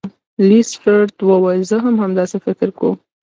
لیسټرډ وویل چې زه هم همداسې فکر کوم.